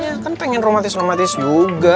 ya kan pengen romatis romantis juga